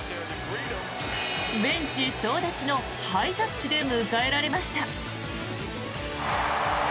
ベンチ総立ちのハイタッチで迎えられました。